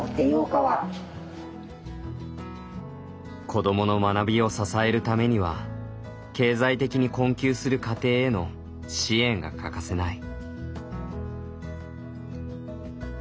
子どもの学びを支えるためには経済的に困窮する家庭への支援が欠かせない。